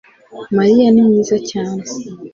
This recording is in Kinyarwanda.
Mariya ni mwiza cyane